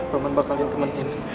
roman bakal ditemenin